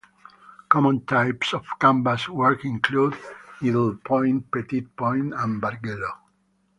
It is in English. Common types of canvas work include needlepoint, petit point, and bargello.